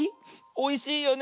おいしいよね。